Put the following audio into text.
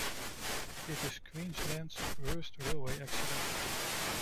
It is Queensland's worst railway accident.